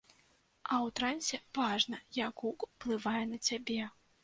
А ў трансе важна, як гук уплывае на цябе.